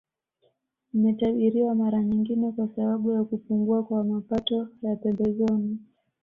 Umetabiriwa mara nyingine kwa sababu ya kupungua kwa mapato ya pembezoni